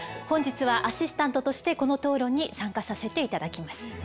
本日はアシスタントとしてこの討論に参加させて頂きます。